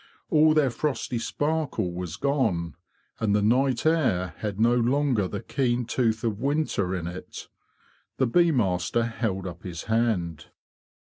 All their frosty sparkle was gone, and the night air had no longer the keen tooth of winter in it. The bee master held up his hand.